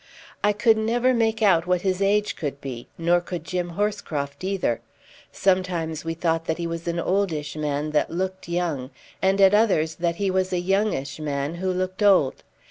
I could never make out what his age could be, nor could Jim Horscroft either. Sometimes we thought that he was an oldish man that looked young, and at others that he was a youngish man who looked old.